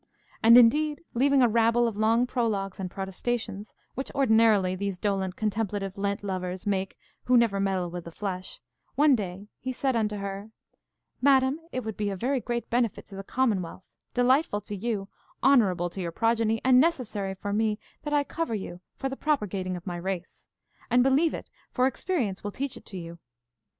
And, indeed, leaving a rabble of long prologues and protestations, which ordinarily these dolent contemplative lent lovers make who never meddle with the flesh, one day he said unto her, Madam, it would be a very great benefit to the commonwealth, delightful to you, honourable to your progeny, and necessary for me, that I cover you for the propagating of my race, and believe it, for experience will teach it you.